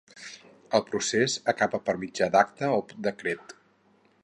El procés acaba per mitjà d'acte o decret.